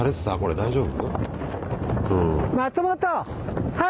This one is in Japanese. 大丈夫？